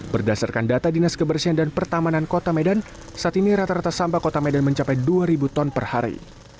berdasarkan data dinas kebersihan dan pertamanan kota medan saat ini rata rata sampah kota medan mencapai dua ribu ton per hari